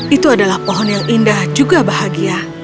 itu adalah pohon yang indah juga bahagia